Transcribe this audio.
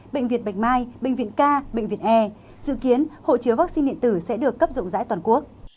bệnh viện bạch mai bệnh viện ca bệnh viện e dự kiến hộ chiếu vaccine điện tử sẽ được cấp rộng rãi toàn quốc